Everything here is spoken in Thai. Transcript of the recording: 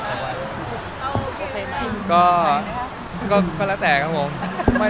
สถานการณ์ก็และแปลกครับผม